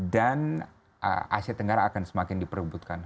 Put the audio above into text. dan asia tenggara akan semakin diperhebutkan